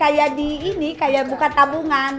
kayak di ini kayak bukan tabungan